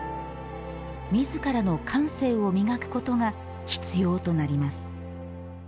みずからの感性を磨くことが必要となります。